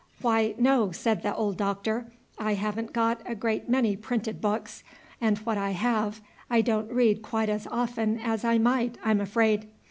"Why, no," said the old Doctor, "I haven't got a great many printed books; and what I have I don't read quite as often as I might, I'm afraid.